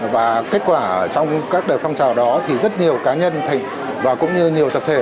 và kết quả trong các đợt phong trào đó thì rất nhiều cá nhân và cũng như nhiều tập thể